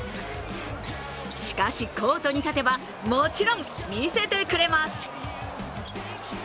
しかし、コートに立てばもちろん、みせてくれます。